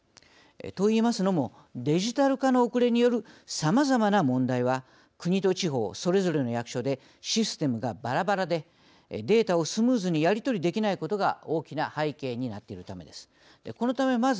といいますのもデジタル化の遅れによるさまざまな問題は国と地方それぞれの役所でシステムがばらばらでデータをスムーズにやり取りできないことが大きな背景になっているためです。